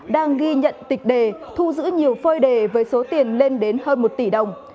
đang ghi nhận tịch đề thu giữ nhiều phơi đề với số tiền lên đến hơn một tỷ đồng